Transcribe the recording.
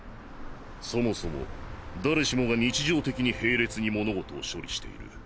そもそも誰しもが日常的に並列に物事を処理している。